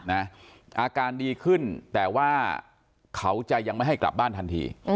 อาการดีขึ้นแต่ว่าเขาจะยังไม่ให้กลับบ้านทันที